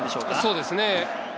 そうですね。